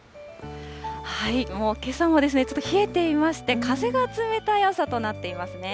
もう、けさもちょっと冷えていまして、風が冷たい朝となっていますね。